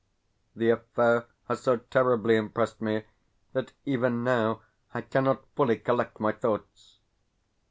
The affair has so terribly impressed me that even now I cannot fully collect my thoughts.